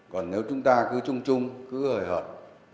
còn nếu chúng ta cứ chung chung cứ hời hợt